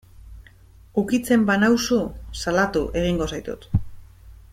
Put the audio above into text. Ukitzen banauzu salatu egingo zaitut.